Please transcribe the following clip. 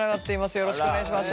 よろしくお願いします